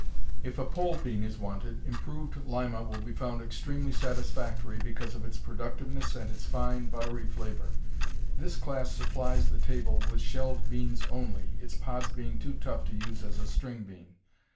If a pole bean is wanted, Improved Lima will be found extremely satisfactory because of its productiveness and its fine, buttery flavor. This class supplies the table with shelled beans only, its pods being too tough to use as a string bean.